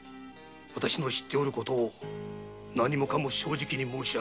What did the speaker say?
私の知っていることを何もかも正直に申しあげます。